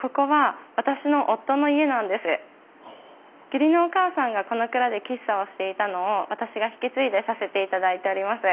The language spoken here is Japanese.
義理のお母さんがこの蔵で喫茶をしていたのを私が引き継いでさせていただいております。